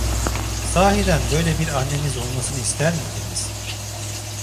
Sahiden böyle bir anneniz olmasını ister miydiniz?